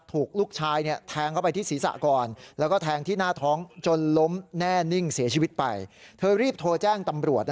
ถูกลูกชายแทงเข้าไปที่ศีรษะก่อนแล้วก็แทงที่หน้าท้อง